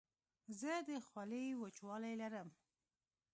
زه د خولې وچوالی لرم.